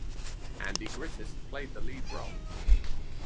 Andy Griffith played the lead role.